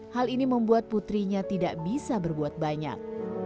hal ini membuat putrinya tidak bisa berbuat banyak